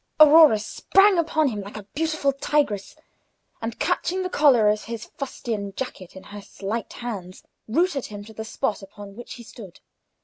Aurora sprang upon him like a beautiful tigress, and, catching the collar of his fustian jacket in her slight hands, rooted him to the spot upon which he stood.